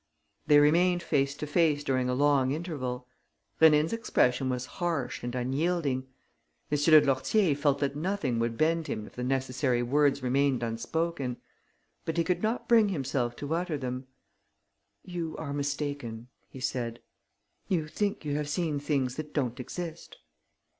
They remained face to face during a long interval. Rénine's expression was harsh and unyielding. M. de Lourtier felt that nothing would bend him if the necessary words remained unspoken; but he could not bring himself to utter them: "You are mistaken," he said. "You think you have seen things that don't exist."